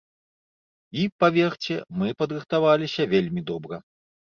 І, паверце, мы падрыхтаваліся вельмі добра.